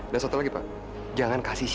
dan satu lagi pak jangan kasih siapa